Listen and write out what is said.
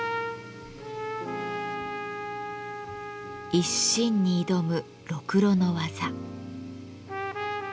一心に挑むろくろの技。